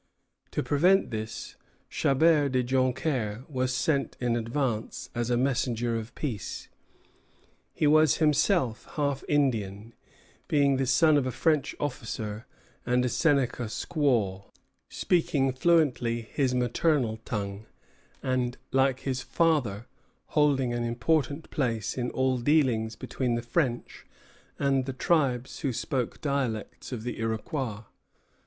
To prevent this, Chabert de Joncaire was sent in advance, as a messenger of peace. He was himself half Indian, being the son of a French officer and a Seneca squaw, speaking fluently his maternal tongue, and, like his father, holding an important place in all dealings between the French and the tribes who spoke dialects of the Iroquois.